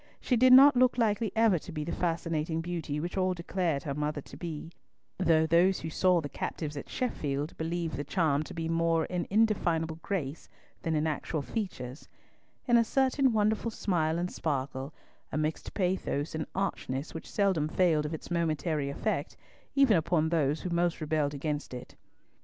She did not look likely ever to be the fascinating beauty which all declared her mother to be—though those who saw the captive at Sheffield, believed the charm to be more in indefinable grace than in actual features,—in a certain wonderful smile and sparkle, a mixed pathos and archness which seldom failed of its momentary effect, even upon those who most rebelled against it.